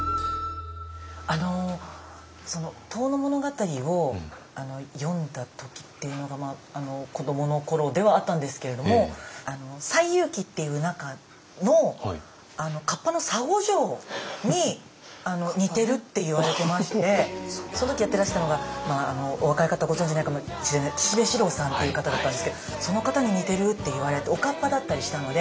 「遠野物語」を読んだ時っていうのが子どもの頃ではあったんですけれども「西遊記」っていう中の河童の沙悟浄に似てるって言われてましてその時やってらしたのがお若い方ご存じないかもしれない岸部シローさんっていう方だったんですけどその方に似てるって言われておかっぱだったりしたので。